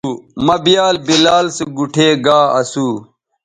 مہ بیال بلال سو گوٹھے گا اسو